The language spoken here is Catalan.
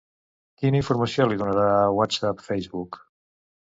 Quina informació li donarà a WhatsApp, Facebook?